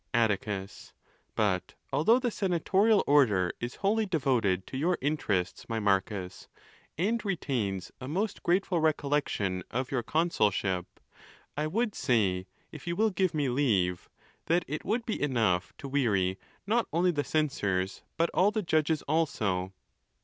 Atticus.—But although the senatorial order is wholly de voted to your interests, my Marcus, and retains a most grate ful recollection of your consulship, I would say, if you will give me leave, that it would be enongh to weary not only the censors, but all the judges also.